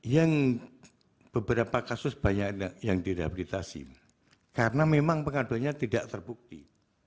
yang beberapa kasus banyak yang direhabilitasi karena memang pengaduannya tidak terbukti